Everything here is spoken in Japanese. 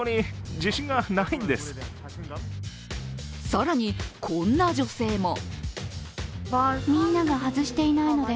更に、こんな女性も。